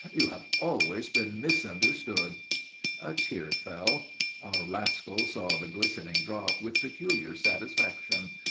"You have always been misunderstood." A tear fell. Our rascal saw the glistening drop with peculiar satisfaction.